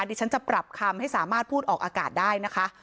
ดิฉันจะปรับคำให้สามารถพูดออกอากาศได้นะคะ